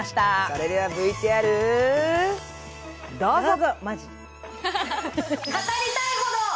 それではＶＴＲどうぞ。